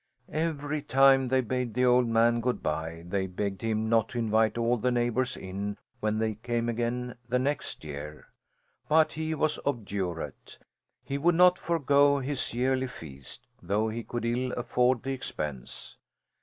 Every time they bade the old man good bye they begged him not to invite all the neighbours in when they came again the next year; but he was obdurate; he would not forego his yearly feast, though he could ill afford the expense.